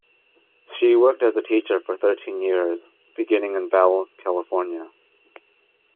She worked as a teacher for thirteen years, beginning in Bell, California.